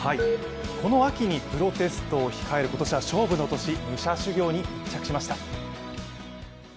この秋にプロテストを控える今年は勝負の年武者修行に密着しました。